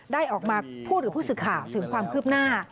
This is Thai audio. ได้ออกมาพูดหรือพูดสึกข่าวถึงความคืบหน้า